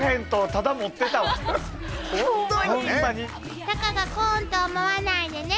たかがコーンと思わないでね。